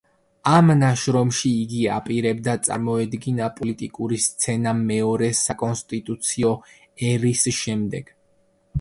ამ ნაშრომში, იგი აპირებდა წარმოედგინა პოლიტიკური სცენა მეორე საკონსტიტუციო ერის შემდეგ.